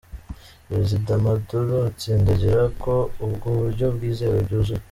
Perezida Maduro atsindagira ko ubwo buryo bwizewe byuzuye.